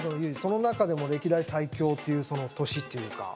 その中でも歴代最強っていうその年っていうか。